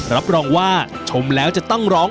รับรองว่าชมแล้วจะต้องร้อง